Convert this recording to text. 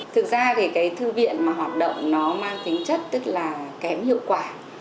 thực ra thì cái thư viện mà hoạt động nó mang tính chất tức là kém hiệu quả